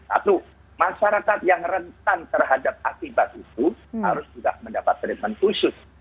satu masyarakat yang rentan terhadap akibat itu harus sudah mendapat treatment khusus